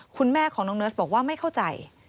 คุณแม่ของน้องเนิร์สบอกว่าไม่เข้าใจ